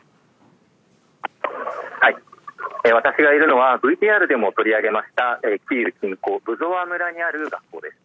私がいるのは、ＶＴＲでも取り上げました、キーウ近郊、ブゾワ村にある学校です。